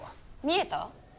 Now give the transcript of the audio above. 見えた？